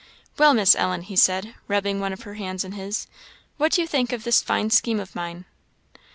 "Well, Miss Ellen," he said, rubbing one of her hands in his, "what do you think of this fine scheme of mine?"